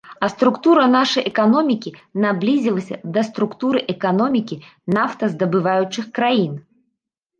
А структура нашай эканомікі наблізілася да структуры эканомікі нафтаздабываючых краін.